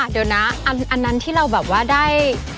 เดี๋ยวนะอันนั้นที่เราแบบว่าได้